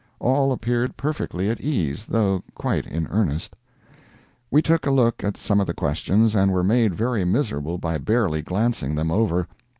All appeared perfectly at ease, though quite in earnest. We took a look at some of the questions and were made very miserable by barely glancing them over.